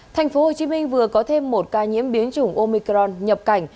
thành phố hồ chí minh vừa có thêm một ca nhiễm biến chủng omicron nhập cảnh